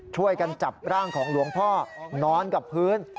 ช่วยกันจับร่างของหลวงพ่อนอนกับพื้น